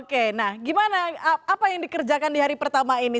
oke nah gimana apa yang dikerjakan di hari pertama ini